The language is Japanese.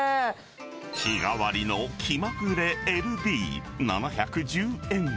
日替わりの気まぐれＬＢ７１０円。